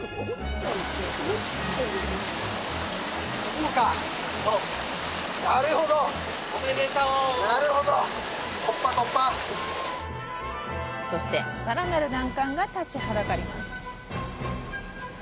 こうかなるほどおめでとうなるほど突破突破そしてさらなる難関が立ちはだかります